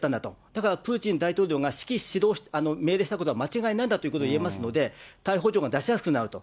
だからプーチン大統領が指揮、命令したことは間違いないんだということがいえますので、逮捕状が出しやすくなると。